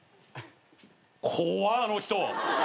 怖っあの人。